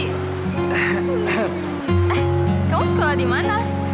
eh kau sekolah di mana